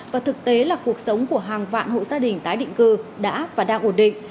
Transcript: và thực tế là cuộc sống của hàng vạn hộ gia đình tái định cư đã và đang ổn định